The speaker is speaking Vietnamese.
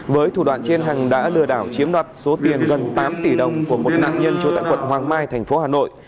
với thủ đoạn trên hằng đã lừa đảo chiếm đoạt số tiền gần tám tỷ đồng của một nạn nhân trú tại quận hoàng mai thành phố hà nội